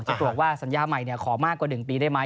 เจ้าตัวตัวว่าสัญญาใหม่ขออภัยมากกว่า๑ปีได้ไหม